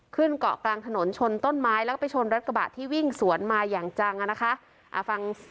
เกาะกลางถนนชนต้นไม้แล้วก็ไปชนรถกระบะที่วิ่งสวนมาอย่างจังอ่ะนะคะ